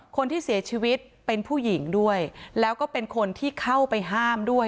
คนที่เสียชีวิตเป็นผู้หญิงด้วยแล้วก็เป็นคนที่เข้าไปห้ามด้วย